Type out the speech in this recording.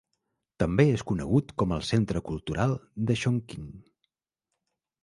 També és conegut com el centre cultural de Chongqing.